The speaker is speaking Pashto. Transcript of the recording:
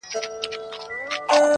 یار نوشلی یې په نوم دمیو جام دی,